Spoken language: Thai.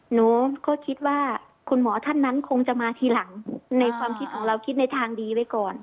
หนูก็คิดว่าคุณหมอท่านนั้นคงจะมาทีหลังในความคิดของเราคิดในทางดีไว้ก่อน